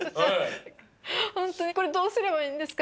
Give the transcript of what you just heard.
「ホントにこれどうすればいいんですか？